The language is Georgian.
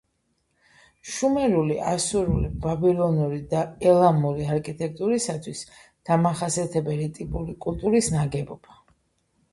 შუმერული, ასურული, ბაბილონური და ელამური არქიტექტურისათვის დამახასიათებელი ტიპური კულტურის ნაგებობა.